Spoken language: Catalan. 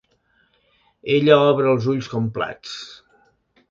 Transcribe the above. Ella obre els ulls com plats.